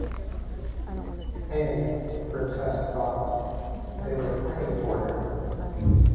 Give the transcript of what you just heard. And — grotesque thought! — they were fighting for him!